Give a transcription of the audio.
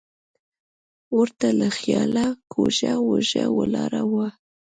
ور ته له خیاله کوږه وږه ولاړه وه.